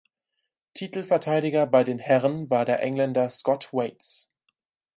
Titelverteidiger bei den Herren war der Engländer Scott Waites.